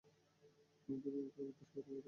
রংধনুর আল্পনায় তো সাত রঙের বাহার।